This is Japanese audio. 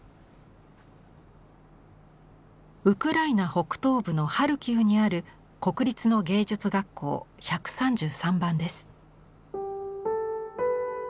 ウクライナ北東部のハルキウにある国立の芸術学校１３３番です。